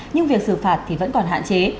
nhưng việc xử phạt thì vẫn còn hạn chế